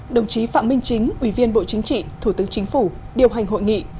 đồng chí phạm minh chính ủy viên bộ chính trị thủ tướng chính phủ điều hành hội nghị